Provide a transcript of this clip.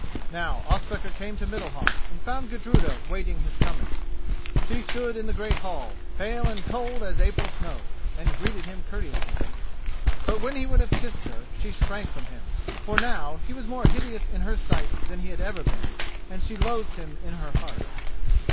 Now Ospakar came to Middalhof, and found Gudruda waiting his coming. She stood in the great hall, pale and cold as April snow, and greeted him courteously. But when he would have kissed her, she shrank from him, for now he was more hideous in her sight than he had ever been, and she loathed him in her heart.